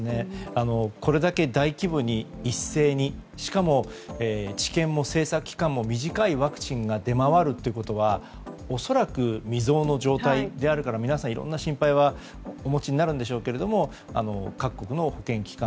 これだけ大規模に、一斉にしかも治験も精査期間も短いワクチンが出回るということは恐らく未曽有の状態であるから皆さん、いろんな心配はお持ちになるんでしょうけれども各国の保健機関